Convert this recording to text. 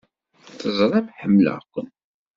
Teẓram ḥemmleɣ-ken!